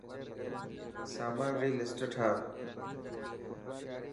سامان ري لسٽ ٺاهه.